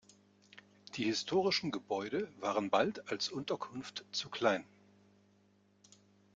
Die historischen Gebäude waren bald als Unterkunft zu klein.